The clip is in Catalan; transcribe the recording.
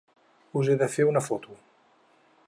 Us he de fer una foto.